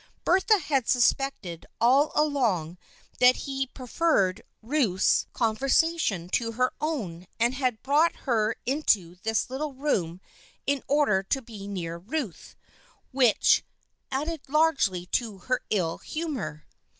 Bertha had suspected all along that he preferred Ruth's con 208 THE FRIENDSHIP OF ANNE versation to her own and had brought her into this little room in order to be near Ruth, which added largely to her ill humor.